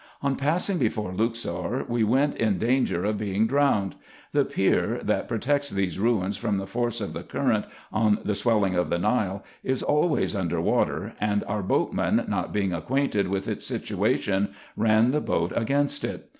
On passing before Luxor, we were in danger of being drowned. The pier, that pro tects these ruins from the force of the current, on the swelling of the Nile is always under water ; and our boatman, not being acquainted with its situation, ran the boat against it.